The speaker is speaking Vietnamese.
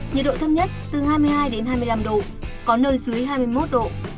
nhiệt độ thấp nhất từ hai mươi hai đến hai mươi năm độ có nơi dưới hai mươi một độ